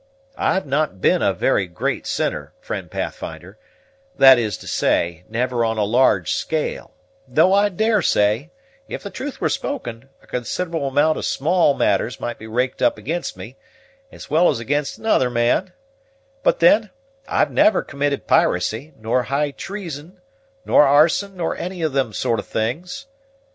I've not been a very great sinner, friend Pathfinder; that is to say, never on a large scale; though I daresay, if the truth were spoken, a considerable amount of small matters might be raked up against me, as well as against another man; but then, I've never committed piracy, nor high treason, nor arson, nor any of them sort of things.